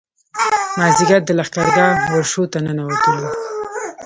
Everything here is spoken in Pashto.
مازیګر د لښکرګاه ورشو ته ننوتلو.